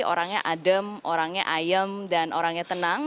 orangnya adem orangnya ayem dan orangnya tenang